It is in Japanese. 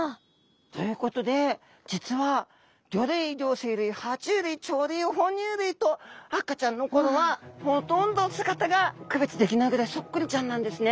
ということで実は魚類両生類は虫類鳥類哺乳類と赤ちゃんの頃はほとんど姿が区別できないぐらいそっくりちゃんなんですね。